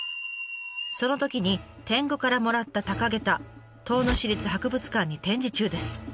そのときにてんぐからもらった高下駄遠野市立博物館に展示中です。